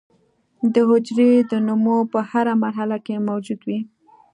د حجرې د نمو په هره مرحله کې موجود وي.